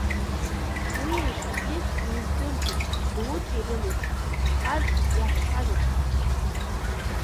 Уи иахьагьы илыздырӡом, Гәдоуҭа ирымоу, иҭахаз иаҳәшьазаҵәы.